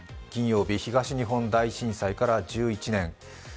金曜日、東日本大震災から１１年。